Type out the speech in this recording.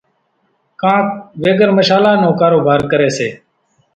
ڪانڪ ويڳر مشلان نو ڪاروڀار ڪريَ سي۔